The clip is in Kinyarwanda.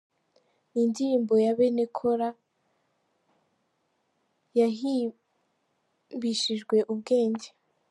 Ni indirimbo ya bene Kōra yahimbishijwe ubwenge.